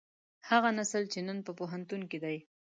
هغه نسل چې نن په پوهنتون کې دی.